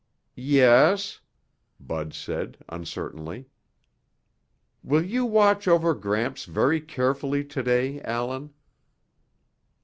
"Yes?" Bud said uncertainly. "Will you watch over Gramps very carefully today, Allan?"